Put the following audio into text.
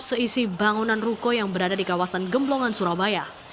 seisi bangunan ruko yang berada di kawasan gemblongan surabaya